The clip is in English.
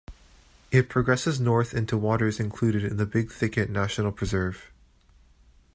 It progresses north into waters included in the Big Thicket National Preserve.